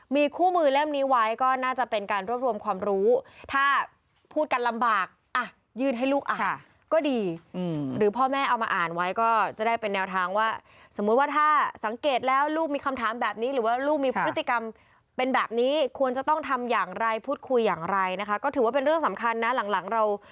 มีคู่มือเล่มนี้ไว้ก็น่าจะเป็นการรวบรวมความรู้ถ้าพูดกันลำบากอ่ะยื่นให้ลูกอ่านก็ดีหรือพ่อแม่เอามาอ่านไว้ก็จะได้เป็นแนวทางว่าสมมุติว่าถ้าสังเกตแล้วลูกมีคำถามแบบนี้หรือว่าลูกมีพฤติกรรมเป็นแบบนี้ควรจะต้องทำอย่างไรพูดคุยอย่างไรนะคะก็ถือว่าเป็นเรื่องสำคัญนะหลังเรา